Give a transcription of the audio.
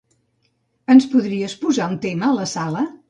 Ens podries posar un tema a la sala?